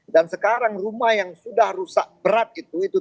dan sekarang rumah yang sudah rusak berat itu tujuh